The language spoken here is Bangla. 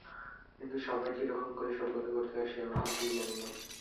কিন্তু সভায় কিরকম করে সভ্যতা করতে হয়, সে আমি কিছুই জানি নে।